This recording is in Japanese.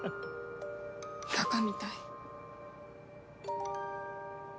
バカみたい。